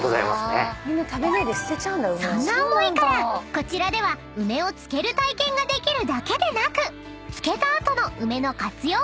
［そんな思いからこちらでは梅を漬ける体験ができるだけでなく漬けた後の梅の活用